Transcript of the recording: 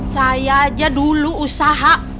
saya aja dulu usaha